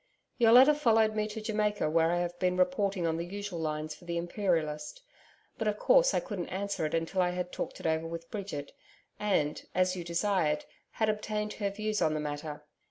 Your letter followed me to Jamaica where I've been reporting on the usual lines for THE IMPERIALIST, but, of course I couldn't answer it until I had talked it over with Bridget and, as you desired, had obtained her views on the matter.